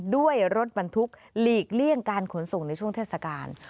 ด้วยรถบรรทุกหลีกเลี่ยงการขนส่งในช่วงเทศกาล